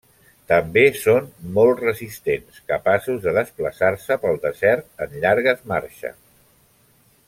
També són molt resistents, capaços de desplaçar-se pel desert en llargues marxes.